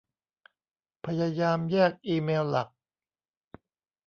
พยายามแยกอีเมลหลัก